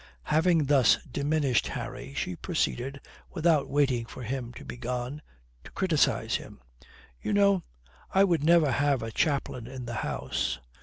Having thus diminished Harry, she proceeded, without waiting for him to be gone, to criticize him. "You know, I would never have a chaplain in the house.